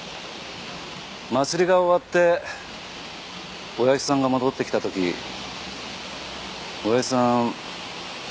祭りが終わって親父さんが戻ってきた時親父さん。